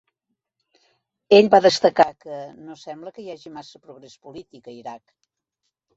Ell va destacar que, "no sembla que hi hagi massa progrés polític" a Iraq.